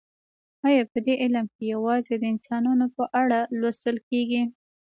ایا په دې علم کې یوازې د انسانانو په اړه لوستل کیږي